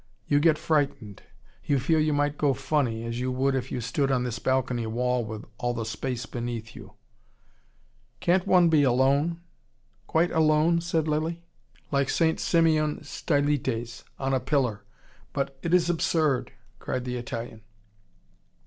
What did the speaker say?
You get frightened. You feel you might go funny as you would if you stood on this balcony wall with all the space beneath you." "Can't one be alone quite alone?" said Lilly. "But no it is absurd. Like Saint Simeon Stylites on a pillar. But it is absurd!" cried the Italian.